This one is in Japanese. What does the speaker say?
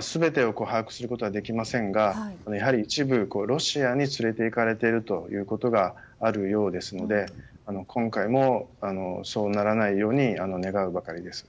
全てを把握することはできませんがやはり一部、ロシアに連れていかれているということがあるようですので今回も、そうならないように願うばかりです。